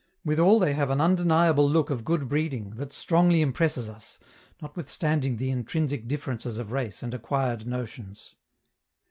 Withal they have an undeniable look of good breeding that strongly impresses us, notwithstanding the intrinsic differences of race and acquired notions.